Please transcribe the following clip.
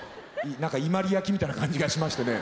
何か伊万里焼みたいな感じがしましてね。